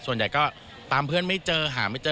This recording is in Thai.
ส่วนใหญ่ก็ตามเพื่อนไม่เจอหาไม่เจอ